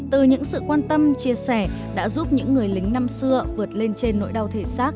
từ những sự quan tâm chia sẻ đã giúp những người lính năm xưa vượt lên trên nỗi đau